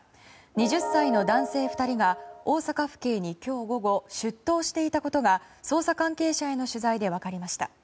２０歳の男性２人が大阪府警に今日午後出頭していたことが捜査関係者への取材で分かりました。